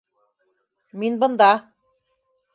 Мин бында...